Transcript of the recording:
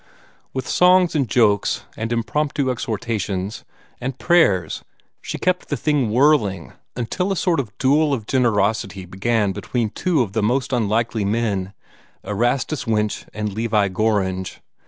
With songs and jokes and impromptu exhortations and prayers she kept the thing whirling, until a sort of duel of generosity began between two of the most unlikely men Erastus Winch and Levi Gorringe.